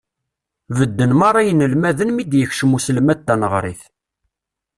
Bedden merra yinelmaden mi d-yekcem uselmad taneɣrit.